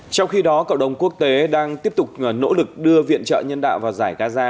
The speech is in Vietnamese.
trong khi đó cộng đồng quốc tế đang tiếp tục nỗ lực đưa viện trợ nhân đạo vào giải gaza